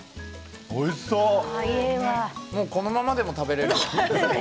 もうこのままでも食べれる。